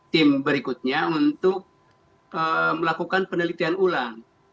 tim berikutnya untuk melakukan penelitian ulang